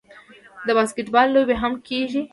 د باسکیټبال لوبې هم کیږي.